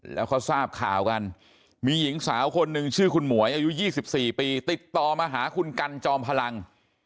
แล้วเขาทราบข่าวกันมีหญิงสาวคนหนึ่งชื่อคุณหมวยอายุ๒๔ปีติดต่อมาหาคุณกันจอมพลัง